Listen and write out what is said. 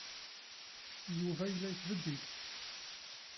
Yuba yella yettbeddil.